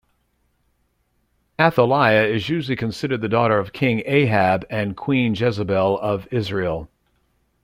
Athaliah is usually considered the daughter of King Ahab and Queen Jezebel of Israel.